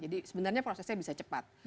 jadi sebenarnya prosesnya bisa cepat